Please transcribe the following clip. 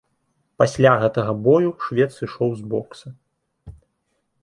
Пасля гэтага бою швед сышоў з бокса.